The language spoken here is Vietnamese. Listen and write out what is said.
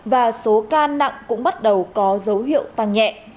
và số ca nặng cũng bắt đầu có dấu hiệu tăng nhẹ